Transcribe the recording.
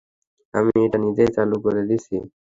আমি এটা নিজেই চালু করে দিচ্ছি।